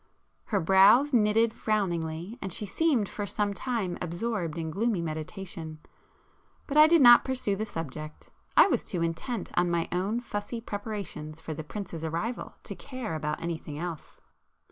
Her brows knitted frowningly, and she seemed for some time absorbed in gloomy meditation. But I did not pursue [p 337] the subject,—I was too intent on my own fussy preparations for the Prince's arrival to care about anything else.